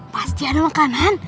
pasti ada makanan